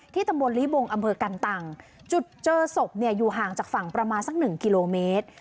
ที่ตำรวจลิบงอเมอร์กันตังจุดเจอศพเนี่ยอยู่ห่างจากฝั่งประมาณสักหนึ่งกิโลเมตร